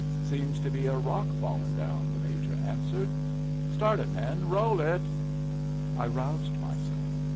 "Seems to be a rock fallen down," the Major answered. "Start it, men; roll it!" I roused myself.